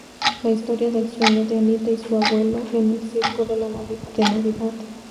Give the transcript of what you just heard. La Historia del sueño de Anita y su abuelo en el Circo de Navidad.